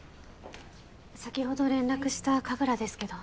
先ほど連絡した神楽ですけど。